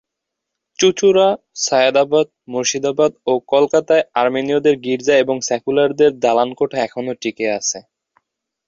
চুঁচুড়া, সায়দাবাদ, মুর্শিদাবাদ ও কলকাতায় আর্মেনীয়দের গির্জা এবং সেক্যুলার দালানকোঠা এখনও টিকে আছে।